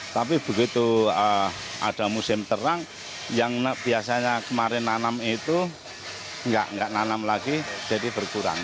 tapi begitu ada musim terang yang biasanya kemarin nanam itu nggak nanam lagi jadi berkurang